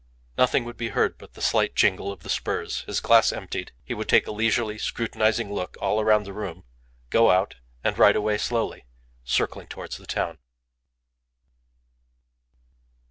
Nothing would be heard but the slight jingle of the spurs. His glass emptied, he would take a leisurely, scrutinizing look all round the room, go out, and ride away slowly, circling towards the town.